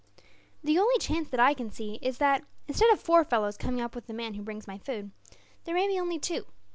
"The only chance that I can see is that, instead of four fellows coming up with the man who brings my food, there may be only two.